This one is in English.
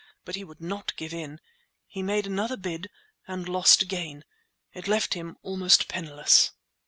But he would not give in. He made another bid—and lost again. It left him almost penniless."